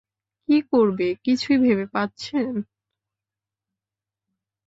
কি করবে কিছুই ভেবে পাচ্ছেন।